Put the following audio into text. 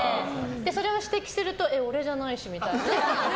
それを指摘すると俺じゃないしみたいな。